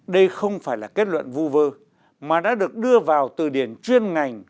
đây không phải là kết luận vu vơ mà đã được đưa vào từ điển chuyên ngành